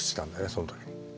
その時に。